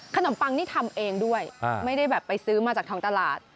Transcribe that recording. ปังนี่ทำเองด้วยไม่ได้แบบไปซื้อมาจากทางตลาด